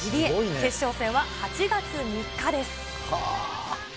決勝戦は８月３日です。